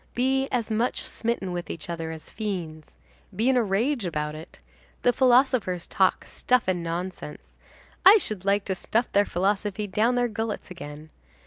Be as much smitten with each other as fiends. Be in a rage about it. The philosophers talk stuff and nonsense. I should like to stuff their philosophy down their gullets again.